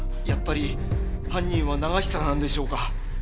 やっぱり犯人は永久なんでしょうか？